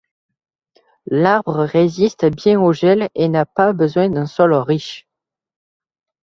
L'arbre résiste bien au gel et n'a pas besoin d'un sol riche.